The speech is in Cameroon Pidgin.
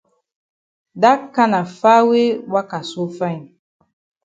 Dat kana far way waka so fine.